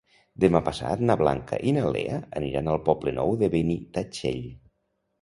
Demà passat na Blanca i na Lea aniran al Poble Nou de Benitatxell.